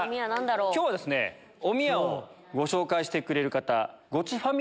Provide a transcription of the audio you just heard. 今日はおみやをご紹介してくれる方。